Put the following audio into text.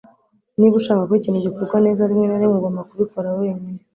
Niba ushaka ko ikintu gikorwa neza, rimwe na rimwe ugomba kubikora wenyine.